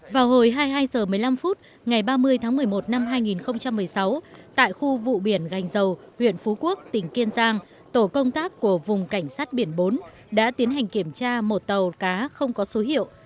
vào hồi hai mươi hai h một mươi năm phút ngày ba mươi tháng một mươi một năm hai nghìn một mươi sáu tại khu vụ biển gành dầu huyện phú quốc tỉnh kiên giang tổ công tác của vùng cảnh sát biển bốn đã tiến hành kiểm tra một tàu cá không có số hiệu